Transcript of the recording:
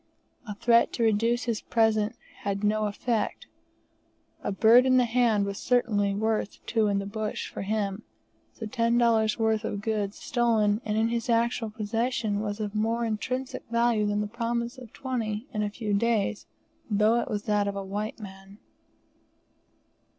A threat to reduce his present had no effect; a bird in the hand was certainly worth two in the bush for him, so ten dollars' worth of goods stolen and in his actual possession was of more intrinsic value than the promise of $20 in a few days, though it was that of a white man.